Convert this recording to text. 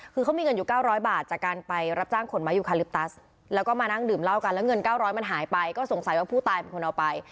คือเขามีเงินอยู่๙๐๐บาทจากการไปรับจ้างขนไม้ยูคาลิปตัสแล้วก็มานั่งดื่มเหล้ากันแล้วเงิน๙๐๐มันหายไปก็สงสัยว่าผู้ตายเป็นคนเอาไป